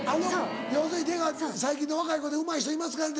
要するに出川「最近の若い子でうまい人いますか？」。